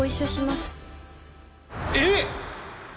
えっ！？